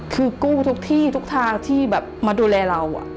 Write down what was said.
คือกู้ทุกที่ทุกทางที่แบบมาดูแลเรา